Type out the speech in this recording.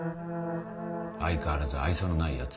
相変わらず愛想のないやつ。